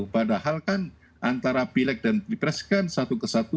padahal kan antara pilek dan pilpres kan satu ke satu